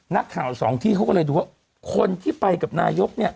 นักข่าวสองที่เขาก็เลยดูว่าคนที่ไปกับนายกเนี่ย